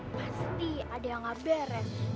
pasti ada yang ngeberen